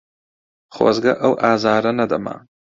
خۆزگە ئەو ئازارە نەدەما.